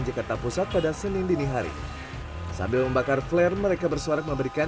jakarta pusat pada senin dini hari sambil membakar flare mereka bersuarak memberikan